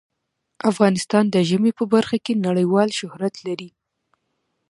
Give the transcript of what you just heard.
افغانستان د ژمی په برخه کې نړیوال شهرت لري.